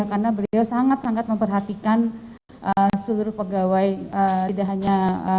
karena beliau sangat sangat memperhatikan seluruh pegawai tidak hanya